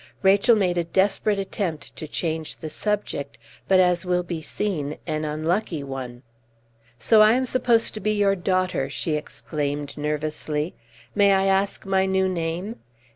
Rachel made a desperate attempt to change the subject, but, as will be seen, an unlucky one. "So I am supposed to be your daughter!" she exclaimed nervously. "May I ask my new name?"